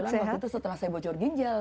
waktu itu setelah saya bocor ginjal